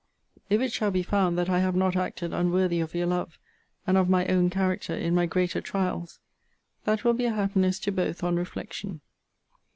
If it shall be found that I have not acted unworthy of your love, and of my own character, in my greater trials, that will be a happiness to both on reflection.